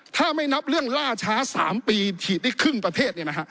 ถ้าไม่นับเรื่องล่าช้า๓ปีฉีดได้ครึ่งประเทศ